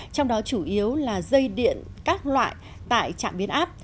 trong đó chủ yếu là dây điện các loại tại trạm biến áp